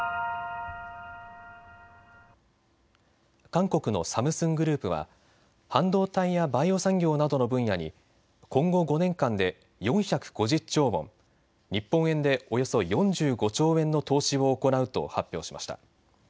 韓国のサムスングループは半導体やバイオ産業などの分野に今後５年間で４５０兆ウォン、日本円でおよそ４５兆円の投資を行うと発表しました。